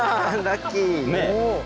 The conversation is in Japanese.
ラッキー！